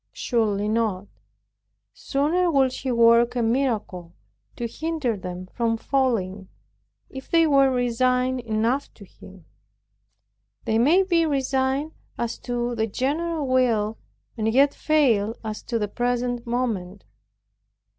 Surely not. Sooner would He work a miracle to hinder them from falling, if they were resigned enough to Him. They may be resigned as to the general will, and yet fail as to the present moment.